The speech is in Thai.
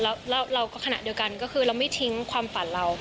แล้วเราก็ขณะเดียวกันก็คือเราไม่ทิ้งความฝันเรา